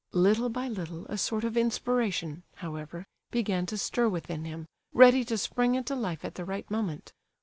Little by little a sort of inspiration, however, began to stir within him, ready to spring into life at the right moment.